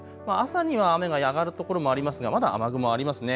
朝には雨が上がる所もありますがまだ雨雲はありますね。